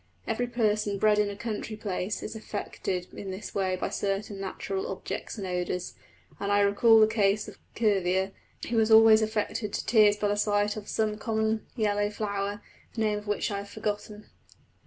Every person bred in a country place is affected in this way by certain natural objects and odours; and I recall the case of Cuvier, who was always affected to tears by the sight of some common yellow flower, the name of which I have forgotten.